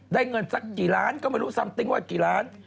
ได้เงินสักกี่ล้านก็ไม่รู้ว่าสักกี่ล้าน